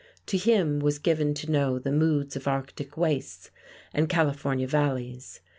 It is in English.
To him was given to know the moods of Arctic wastes and California valleys.